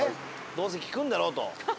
どうせ聞くんだろ？と。